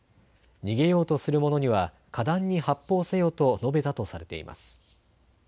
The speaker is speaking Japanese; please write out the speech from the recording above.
逃げようとするものにはかだんに発砲せよと述べたとされています。